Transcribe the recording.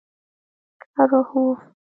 روح وو.